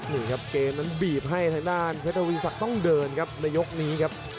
นี่ครับเกมนั้นบีบให้ทางด้านเพชรทวีศักดิ์ต้องเดินครับในยกนี้ครับ